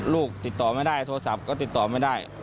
ลูกติดต่อไม่ได้โทรศัพท์ก็ติดต่อไม่ได้